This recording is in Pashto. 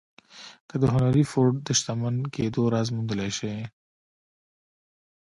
که د هنري فورډ د شتمن کېدو راز موندلای شئ.